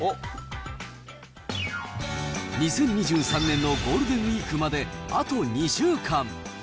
２０２３年のゴールデンウィークまであと２週間。